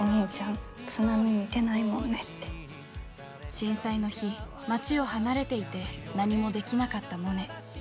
震災の日、町を離れていて何もできなかったモネ。